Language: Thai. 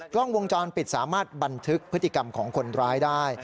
กล้องวงจรปิดสามารถบันทึกพฤติกรรมของคนร้ายได้